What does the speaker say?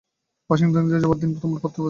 Washington থেকে যাবার দিন তোমাকে পত্র দেব।